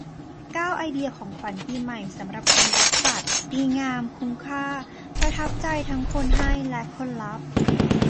เก้า ไอเดียของขวัญปีใหม่สำหรับคนรักสัตว์ ดีงาม คุ้มค่า ประทับใจทั้งคนให้และคนรับ